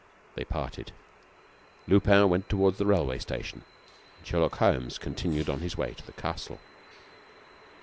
They parted. Lupin went toward the railway station, and Sherlock Holmes continued on his way to the castle.